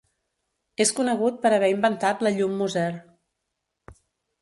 És conegut per haver inventat la Llum Moser.